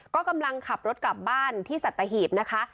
ก็กำลังขับรถกลับบ้านที่สัตหีบนะคะ